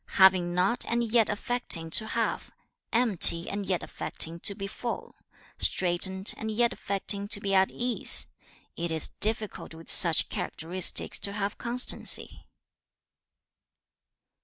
3. 'Having not and yet affecting to have, empty and yet affecting to be full, straitened and yet affecting to be at ease: it is difficult with such characteristics to have constancy.'